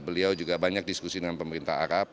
beliau juga banyak diskusi dengan pemerintah arab